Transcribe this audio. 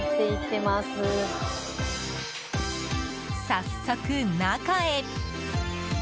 早速、中へ。